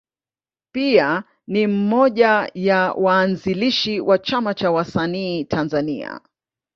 Pia ni mmoja ya waanzilishi wa Chama cha Wasanii Tanzania.